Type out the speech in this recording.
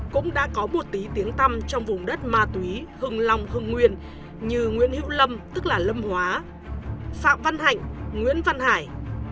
cũng đã có một tí tiếng tâm trong vùng đất ma túy hưng long hưng nguyên như nguyễn hữu lâm tức là lâm hóa phạm văn hạnh nguyễn văn hải